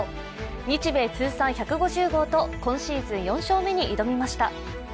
日米通算１５０号と今シーズン４勝目に挑みました。